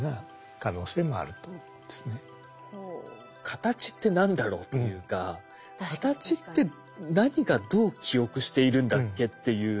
形って何だろうというか形って何がどう記憶しているんだっけっていう。